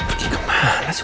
pergi kemana sih